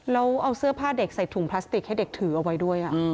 แล้วเอาเสื้อผ้าเด็กใส่ถุงพลาสติกให้เด็กถือเอาไว้ด้วย